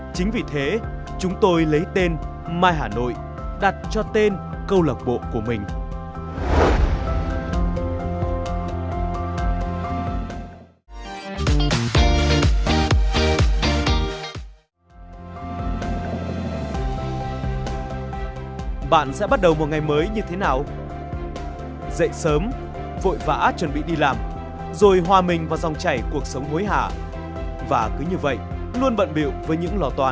chính vì thế chúng tôi lấy tên my hà nội đặt cho tên câu lạc bộ của mình